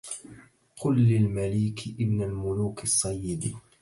قل للمليك ابن الملوك الصيد